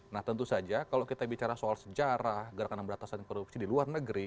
nah tentu saja kalau kita bicara soal sejarah gerakan pemberantasan korupsi di luar negeri